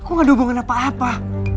kok gak ada hubungan apa apa